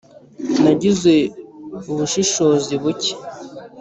Nagize ubushishozi buke